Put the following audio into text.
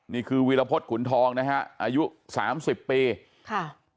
นี่คือวีรพศขุนทองนะฮะอายุ๓๐ปี